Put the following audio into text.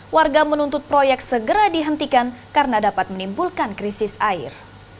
warga menuntut proyek segera dihentikan karena dapat menimbulkan krisis air